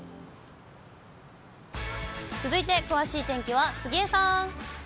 続いて詳しい天気は杉江さん。